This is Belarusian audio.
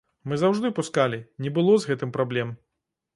Мы заўжды пускалі, не было з гэтым праблем.